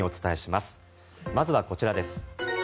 まずは、こちらです。